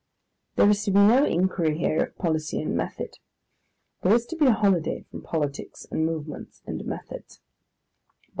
There is to be no inquiry here of policy and method. This is to be a holiday from politics and movements and methods.